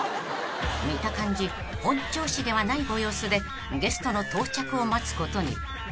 ［見た感じ本調子ではないご様子でゲストの到着を待つことに］